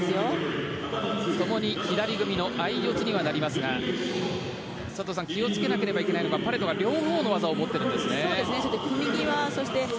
ともに左組みの相四つにはなりますが佐藤さん気をつけなければいけないのがパレトが両方の技を持ってるんですよね。